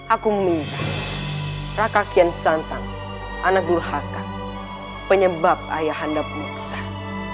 aku meminta raka kian santang anak nur hakan penyebab ayah anda pun ngesan